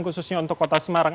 khususnya untuk kota semarang